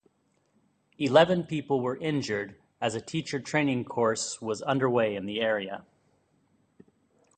Eleven people were injured, as a teacher training course was underway in the area.